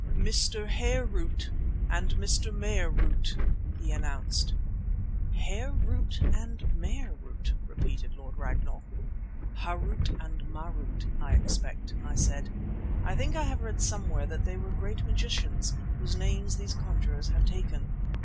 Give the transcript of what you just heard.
"Mr. Hare root and Mr. Mare root," he announced. "Hare root and Mare root!" repeated Lord Ragnall. "Harût and Marût, I expect," I said. "I think I have read somewhere that they were great magicians, whose names these conjurers have taken."